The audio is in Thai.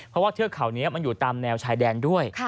เพราะว่าเทือกเขานี้มันอยู่ตามแนวชายแดนด้วย